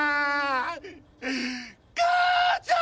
母ちゃん！